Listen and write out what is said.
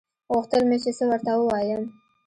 غوښتل مې چې څه ورته ووايم.